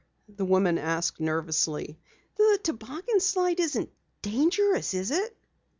the woman asked nervously. "The toboggan slide isn't dangerous, is it?"